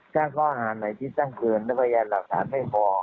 ถ้าข้อหาไหนที่ตั้งเกินและพยานหลักฐานไม่พอ